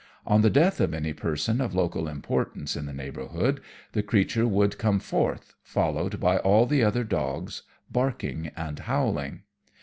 On the death of any person of local importance in the neighbourhood the creature would come forth, followed by all the other dogs, barking and howling.